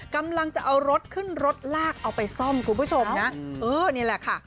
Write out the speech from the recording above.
กำลังจะเอารถขึ้นรถลากเอาไปซ่อมคุณผู้ชมนะเออนี่แหละค่ะ